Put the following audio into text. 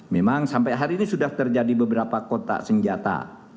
memang sampai hari ini sudah terjadi beberapa kotak senjata